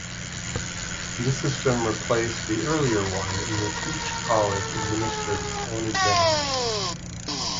This system replaced the earlier one in which each college administered its own examinations.